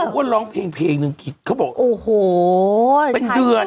ทุกคนร้องเพลงนึงเขาบอกเป็นเดือน